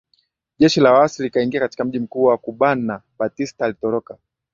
jeshi la waasi likaingia katika mji mkuu wa Cubanna Batista alitoroka